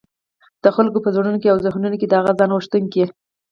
د خلګو په زړونو او ذهنونو کي د هغه ځان غوښتونکي